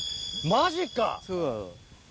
マジか！